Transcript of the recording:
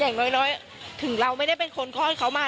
อย่างน้อยถึงเราไม่ได้เป็นคนคลอดเขามา